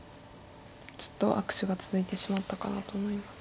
ちょっと悪手が続いてしまったかなと思います。